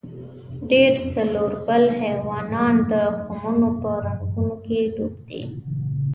ډېر څلوربول حیوانان د خمونو په رنګونو کې ډوب دي.